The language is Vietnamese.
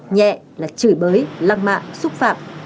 nhẹ là chửi bới lăng mạ xúc phạm